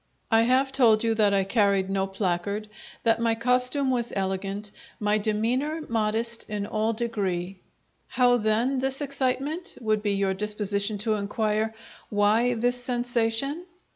I have told you that I carried no placard, that my costume was elegant, my demeanour modest in all degree. "How, then, this excitement?" would be your disposition to inquire. "Why this sensation?"